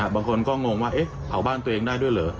บางคนก็งงว่าเผาบ้านตัวเองได้ด้วยเหรอ